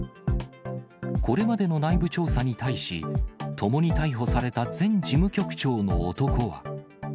これまでの内部調査に対し、共に逮捕された前事務局長の男は。